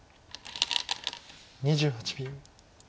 ２８秒。